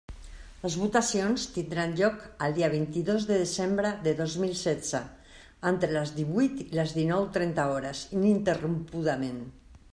Les votacions tindran lloc el dia vint-i-dos de desembre de dos mil setze, entre les divuit i les dinou trenta hores, ininterrompudament.